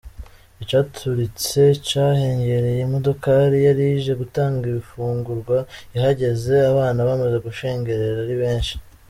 Icaturitse cahengereye imodokari yari ije gutanga ibifungurwa ihageze, abana bamaze gushengerera ari benshi.